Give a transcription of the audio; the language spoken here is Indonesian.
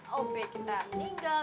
ob kita meninggal